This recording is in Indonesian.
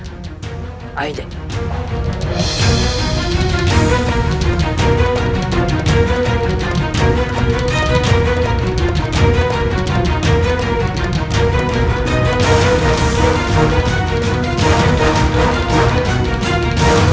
sebaiknya kita lapor anggaran